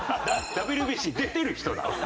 ＷＢＣ出てる人だから。